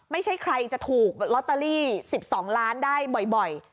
ไม่ใช่ใครจะถูกลอตเตอรี่๑๒ล้านได้บ่อย